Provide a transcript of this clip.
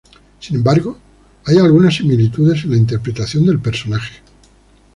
Sin embargo, hay algunas similitudes en la interpretación del personaje.